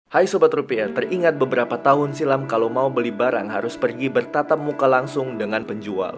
hai sobat rupiah teringat beberapa tahun silam kalau mau beli barang harus pergi bertatam muka langsung dengan penjual